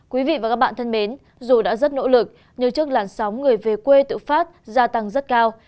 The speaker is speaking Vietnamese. quý vị và các bạn thân mến dù đã rất nỗ lực nhưng trước làn sóng người về quê tự phát gia tăng rất cao